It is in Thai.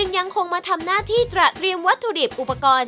ยังคงมาทำหน้าที่ตระเตรียมวัตถุดิบอุปกรณ์